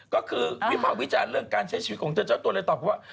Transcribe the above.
ก็คือวิภาควิจารณ์เรื่องการใช้ชีวิตของเธอเจ้าตัวเลยตอบว่า